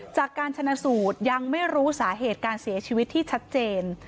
จากการชนะสูตรยังไม่รู้สาเหตุการเสียชีวิตที่ชัดเจน